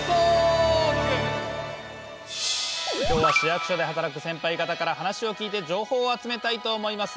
今日は市役所で働くセンパイ方から話を聞いて情報を集めたいと思います。